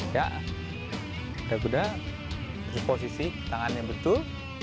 ya kuda kuda di posisi tangannya betul